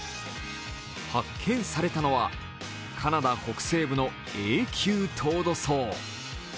発見されたのはカナダ北西部の永久凍土層。